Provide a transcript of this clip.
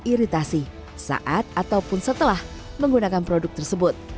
jika timbul gejala iritasi saat ataupun setelah menggunakan produk tersebut